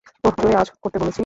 ওহ, জোরে আওয়াজ করতে বলেছি?